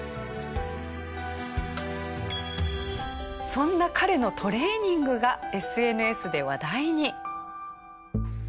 そんな彼のトレーニングがＳＮＳで話題に。